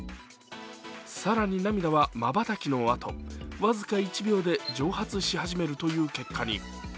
更に涙はまばたきの後、僅か１秒で蒸発し始めるという結果に。